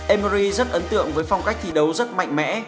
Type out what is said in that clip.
emory rất ấn tượng với phong cách thi đấu rất mạnh mẽ